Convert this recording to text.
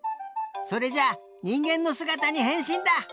それじゃにんげんのすがたにへんしんだ！